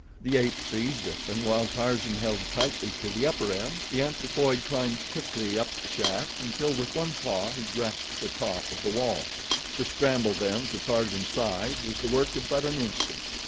The ape seized it, and while Tarzan held tightly to the upper end, the anthropoid climbed quickly up the shaft until with one paw he grasped the top of the wall. To scramble then to Tarzan's side was the work of but an instant.